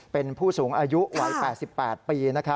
เป็นผู้สูงอายุวัย๘๘ปี